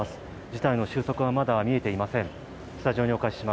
事態の収束はまだ見えていません。